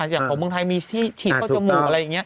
อย่างของเมืองไทยมีที่ฉีดเข้าจมูกอะไรอย่างนี้